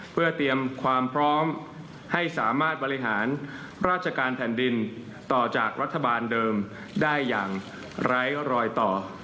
เพื่อเตรียมความพร้อมให้สามารถบริหารราชการแผ่นดินต่อจากรัฐบาลเดิมได้อย่างไร้รอยต่อ